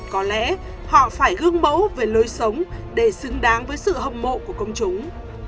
có lẽ họ phải gương mẫu về lối sống để xứng đáng với sự hâm mộ của công chúng